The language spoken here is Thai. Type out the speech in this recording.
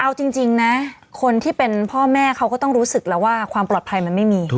เอาจริงนะคนที่เป็นพ่อแม่เขาก็ต้องรู้สึกแล้วว่าความปลอดภัยมันไม่มี